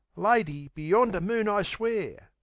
"Lady, be yonder moon I swear!"